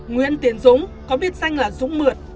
nguyễn tiến dũng có biệt danh là dũng mượt